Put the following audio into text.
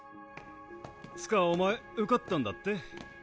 つかお前受かったんだって？